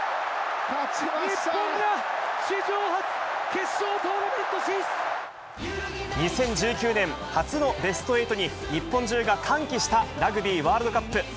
日本が史上初、決勝トーナメント２０１９年、初のベスト８に日本中が歓喜したラグビーワールドカップ。